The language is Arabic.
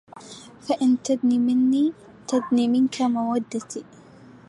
فإن تدن مني تدن منك مودتي